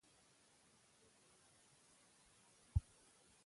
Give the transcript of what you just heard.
او د دې د وجود پسته خاوره